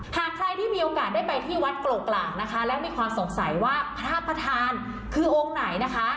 หากใครที่มีโอกาสได้ไปที่วัดโกกหลากนะคะแล้วมีความสงสัยว่าพระประธานคือองค์ไหนนะคะ